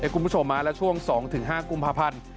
คุณผู้ชมและช่วง๒๕กุมภาพันธ์